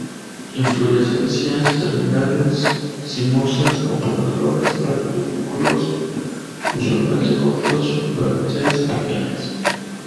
Inflorescencias terminales, cimosas, con pocas flores; pedúnculos usualmente cortos; brácteas pequeñas.